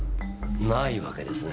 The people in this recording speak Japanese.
ないわけですね？